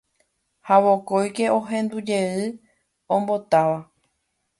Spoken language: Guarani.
Ha vokóike ohendujey ombotáva.